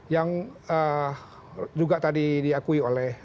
yang juga tadi diakui oleh